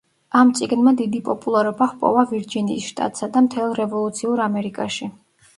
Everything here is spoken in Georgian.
ამ წიგნმა დიდი პოპულარობა ჰპოვა ვირჯინიის შტატსა და მთელ რევოლუციურ ამერიკაში.